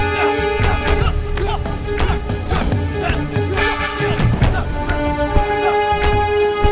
ya tuhan apalagi ini